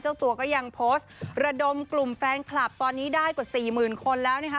เจ้าตัวก็ยังโพสต์ระดมกลุ่มแฟนคลับตอนนี้ได้กว่าสี่หมื่นคนแล้วนะคะ